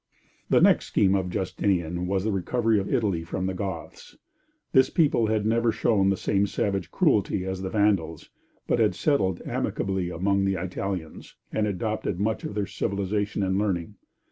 The next scheme of Justinian was the recovery of Italy from the Goths. This people had never shown the same savage cruelty as the Vandals, but had settled amicably among the Italians, and adopted much of their civilization and learning.